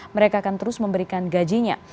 mereka akan terus memberikan gajinya